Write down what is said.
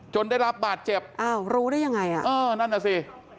จนได้รับบาทเจ็บเอ้อนั่นแหละสิรู้ได้อย่างไร